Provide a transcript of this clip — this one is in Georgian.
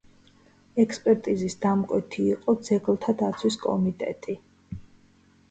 ექსპერტიზის დამკვეთი იყო ძეგლთა დაცვის კომიტეტი.